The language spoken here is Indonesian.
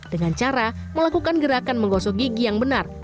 dengan cara melakukan gerakan menggosok gigi yang benar